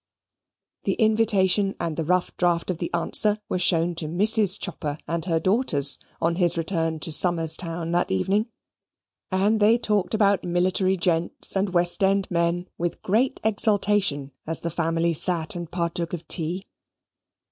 The invitation and the rough draft of the answer were shown to Mrs. Chopper and her daughters on his return to Somers' Town that evening, and they talked about military gents and West End men with great exultation as the family sate and partook of tea.